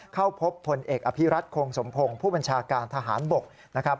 เข้าพบพลเอกอภิรัตโครสมพงศ์ผู้บัญชาการทหารบกนะครับ